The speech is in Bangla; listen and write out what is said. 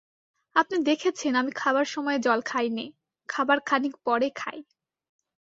আপনি দেখেছেন আমি খাবার সময়ে জল খাই নে– খাবার খানিক পরে খাই।